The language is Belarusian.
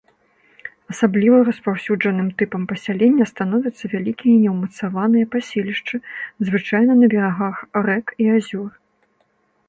Асабліва распаўсюджаным тыпам пасялення становяцца вялікія неўмацаваныя паселішчы, звычайна на берагах рэк і азёр.